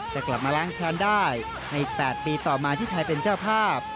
กลับมาล้างแค้นได้ใน๘ปีต่อมาที่ไทยเป็นเจ้าภาพ